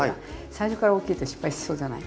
最初から大きいと失敗しそうじゃない？